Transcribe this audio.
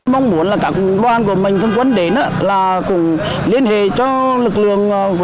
mong muốn là các quân của mình thân quân đến là cùng liên hệ cho lực lượng